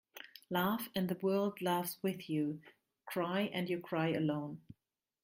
Laugh and the world laughs with you. Cry and you cry alone.